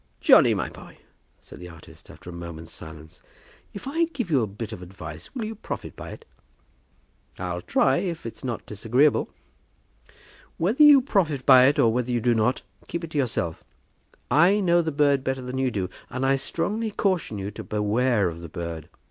"Johnny, my boy," said the artist, after a moment's silence, "if I give you a bit of advice, will you profit by it?" "I'll try, if it's not disagreeable." "Whether you profit by it, or whether you do not, keep it to yourself. I know the bird better than you do, and I strongly caution you to beware of the bird.